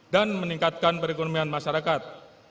dan meningkatkan perekonomian masyarakat